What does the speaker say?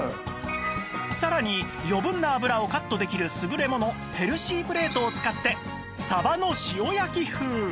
さらに余分な脂をカットできる優れものヘルシープレートを使ってサバの塩焼き風